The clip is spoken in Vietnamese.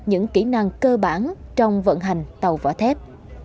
những kỹ năng cơ bản trong vận hành tàu vỏ thép